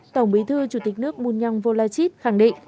tổng bí thư chủ tịch nước mun nhong volachit khẳng định